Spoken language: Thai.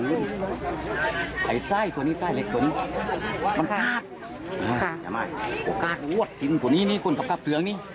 อะไรตัวนี้อ๋อฮ่าโหฮออกอร้อตที่ฉันนี้คุณสะครับเตือกนี้